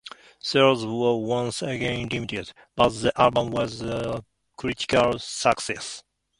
Sales were once again limited, but the album was a critical success.